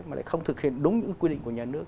mà lại không thực hiện đúng những quy định của nhà nước